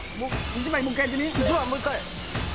１番もう１回。